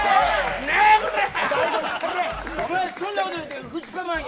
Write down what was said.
そんなこと言ってるけど２日前に。